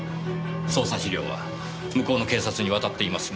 捜査資料は向こうの警察に渡っていますね。